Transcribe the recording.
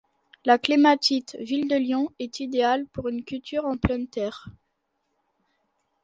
La clématite 'Ville de Lyon' est idéale pour une culture en pleine terre.